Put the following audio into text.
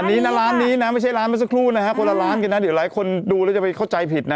อันนี้นะร้านนี้นะไม่ใช่ร้านเมื่อสักครู่นะฮะคนละร้านกันนะเดี๋ยวหลายคนดูแล้วจะไปเข้าใจผิดนะ